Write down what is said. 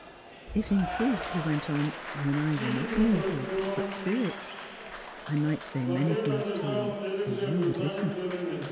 *' If in truth," he went on, *' you and I were not mortals, but spirits, I might say many things to you; and you — would listen."